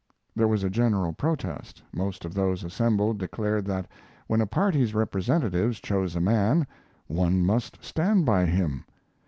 There was a general protest. Most of those assembled declared that when a party's representatives chose a man one must stand by him.